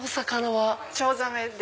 チョウザメです。